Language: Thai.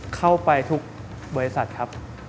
เข้าไปทุกบริษัทครับ